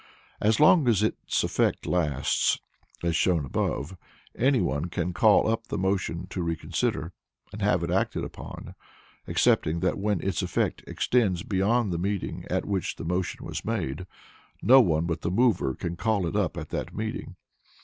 As long as its effect lasts (as shown above), any one can call up the motion to reconsider and have it acted upon—excepting that when its effect extends beyond the meeting at which the motion was made, no one but the mover can call it up at that meeting.